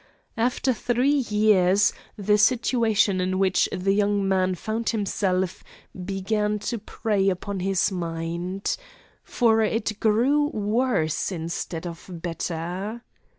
After three years the situation in which the young man found himself began to prey upon his mind. For it grew worse instead of better.